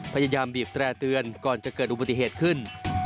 พยายามบีบแตร่เตือนก่อนจะเกิดอุบัติเหตุขึ้น